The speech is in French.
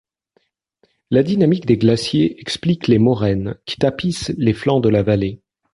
La dynamique des glaciers explique les moraines qui tapissent les flancs de la vallée.